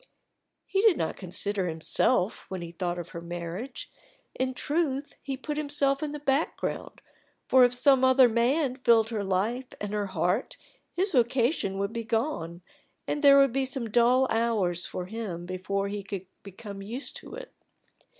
He did not consider himself when he thought of her marriage; in truth he put himself in the background, for if some other man filled her life and her heart his vocation would be gone, and there would be some dull hours for him before he could become used to it.